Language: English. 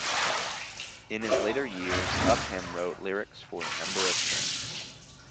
In his later years Upham wrote lyrics for a number of hymns.